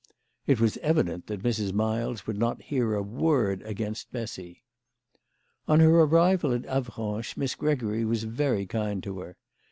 It was evident that Mrs. Miles would not hear a word against Bessy. On her arrival at Avranches Miss Gregory was very kind to her.